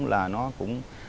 là nó cũng